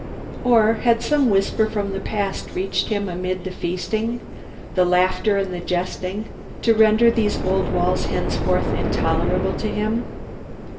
Or had some whisper from the past reached him amid the feasting, the laughing and the jesting, to render these old walls henceforth intolerable to him?